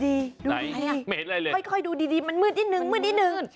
ดูไหนอ่ะค่อยดูดีมันมืดนิดนึง